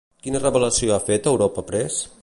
Quina revelació ha fet Europa Press?